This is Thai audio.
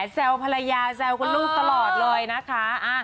แซวภรรยาแซวคุณลูกตลอดเลยนะคะ